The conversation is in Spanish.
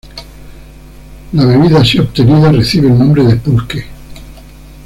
La bebida así obtenida recibe el nombre de Pulque.